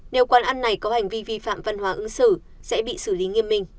nếu quán ăn này có hành vi vi phạm văn hóa ứng xử sẽ bị xử lý nghiêm minh